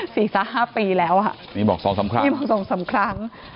สี่สามห้าปีแล้วอ่ะนี่บอกสองสามครั้งนี่บอกสองสามครั้ง